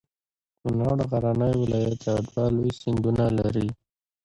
کنړ غرنی ولایت ده او دوه لوی سیندونه لري.